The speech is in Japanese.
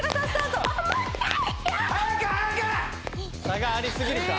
差がありすぎるか？